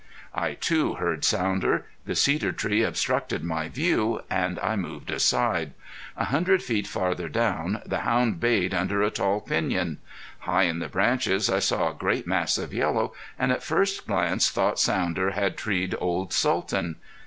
I, too, heard Sounder. The cedar tree obstructed my view, and I moved aside. A hundred feet farther down the hound bayed under a tall piñon. High in the branches I saw a great mass of yellow, and at first glance thought Sounder had treed old Sultan.